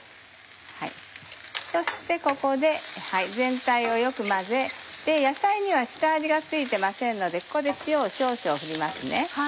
そしてここで全体をよく混ぜ野菜には下味が付いてませんのでここで塩を少々振ります。